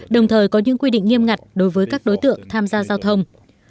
đồng thời có những quy định nghiêm ngặt đối với các đối tượng tham gia giao thông